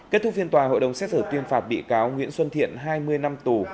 kết thúc phiên tòa hội đồng xét xử tuyên phạt bị cáo nguyễn xuân thiện hai mươi năm tù